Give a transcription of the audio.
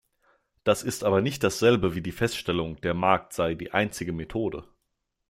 Das ist aber nicht dasselbe wie die Feststellung, der Markt sei die einzige Methode.